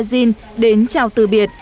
cô bazin đến chào từ biệt